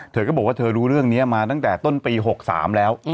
เธอก็บอกว่าเธอรู้เรื่องนี้มาตั้งแต่ต้นปี๖๓แล้ว